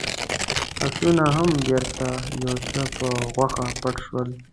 آسونه هم بېرته يو څه په غوښه پټ شول.